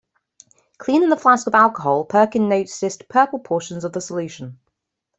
Cleaning the flask with alcohol, Perkin noticed purple portions of the solution.